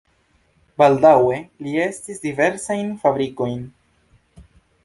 Baldaŭe li estris diversajn fabrikojn.